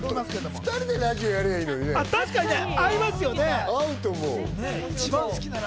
２人でラジオやりゃいいのにね、合うと思う。